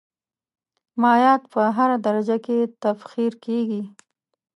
مایعات په هره درجه کې تبخیر کیږي.